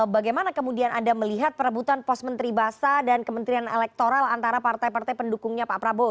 bagaimana kemudian anda melihat perebutan pos menteri basah dan kementerian elektoral antara partai partai pendukungnya pak prabowo